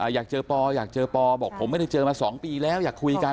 อยากเจอป้อบอกผมไม่ได้เจอมา๒ปีแล้วอยากคุยกัน